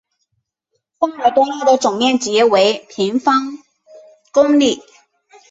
沙尔多讷的总面积为平方公里。